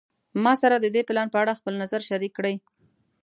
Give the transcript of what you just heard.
ما سره د دې پلان په اړه خپل نظر شریک کړی